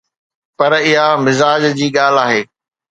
پر اها مزاج جي ڳالهه آهي.